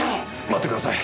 待ってください。